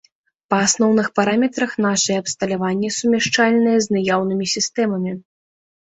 Па асноўных параметрах нашае абсталяванне сумяшчальнае з наяўнымі сістэмамі.